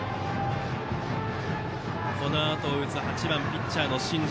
このあと打つ８番ピッチャーの新庄